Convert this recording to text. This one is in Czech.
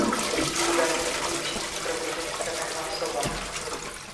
Budu velmi stručný, protože chceme hlasovat.